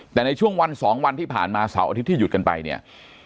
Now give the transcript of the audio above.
แต่ในช่วงวัน๒วันที่ผ่านมาเสาร์อาทิตยที่หยุดกันไปเนี่ย